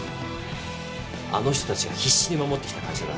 あの人たちが必死に守ってきた会社だ。